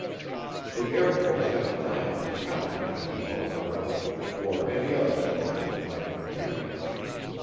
The Air Force had a plan to counter the Keyhoe article, or any other story that might appear.